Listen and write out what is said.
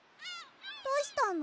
どうしたの？